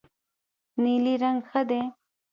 نیلی رنګ ښه دی.